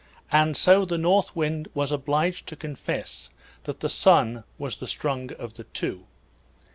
And so the North Wind was obliged to confess that the Sun was the stronger of the two.